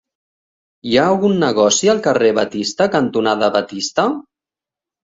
Hi ha algun negoci al carrer Batista cantonada Batista?